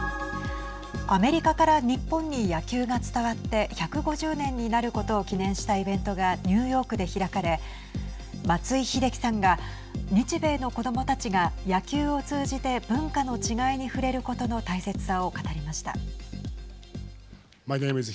アメリカから日本に野球が伝わって１５０年になることを記念したイベントがニューヨークで開かれ松井秀喜さんが日米の子どもたちが野球を通じて文化の違いに触れることの大切さを語りました。